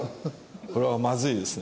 これはまずいですね。